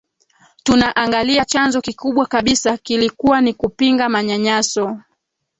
tunaangalia chanzo kikubwa kabisa kilikuwa ni kupinga manyanyaso